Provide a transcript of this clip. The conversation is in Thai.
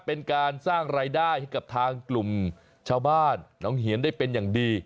เป็นการสร้างรายได้ให้กับทางกลุ่มชาวบ้านน้องเหียนได้เป็นอย่างดี